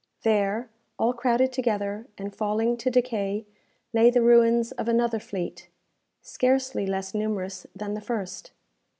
There, all crowded together and falling to decay, lay the ruins of another fleet, scarcely less numerous than the first.